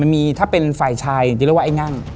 มีถ้าเป็นฝ่ายชายจะเรียกว่าไอ้งั่ง